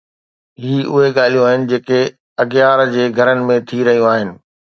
هي اهي ڳالهيون آهن جيڪي اغيار جي گهرن ۾ ٿي رهيون آهن؟